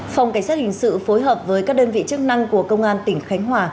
phòng cảnh sát hình sự phối hợp với các đơn vị chức năng của công an tỉnh khánh hòa